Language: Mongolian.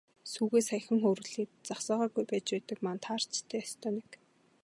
Сүүгээ саяхан хөөрүүлээд загсаагаагүй байж байдаг маань таарч дээ, ёстой нэг.